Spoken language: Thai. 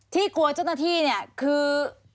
ที่กลัวเจ้าหน้าที่เนี่ยคือ